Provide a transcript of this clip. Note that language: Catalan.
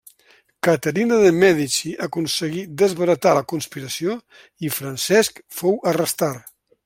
Caterina de Mèdici aconseguí desbaratar la conspiració i Francesc fou arrestar.